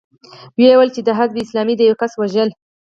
ويې ويل چې د حزب اسلامي د يوه کس وژل.